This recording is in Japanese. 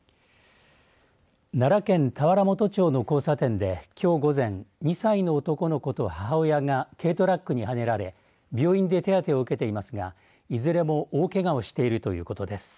奈良県田原本町の交差点できょう午前２歳の男の子と母親が軽トラックにはねられ病院で手当てを受けていますがいずれも大けがをしているということです。